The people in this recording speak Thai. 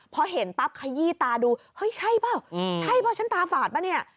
พอเห็นปั๊บขยี้ตาดูเฮ้ยใช่เปล่าใช่ป่ะฉันตาฝาดป่ะเนี่ย